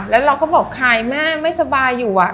และเราก็บอกไข่แม่ไม่สบายอยู่